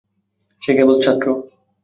সে কেবল ছাত্র।